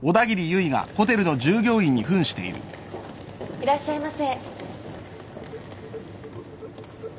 いらっしゃいませ。